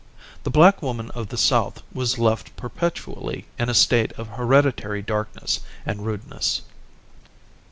The black woman of the South was left perpetually in a state of hereditary darkness and rudeness.